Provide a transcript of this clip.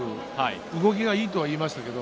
動きがいいとは言いましたけど。